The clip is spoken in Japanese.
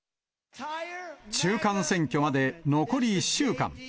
中間選挙まで残り１週間。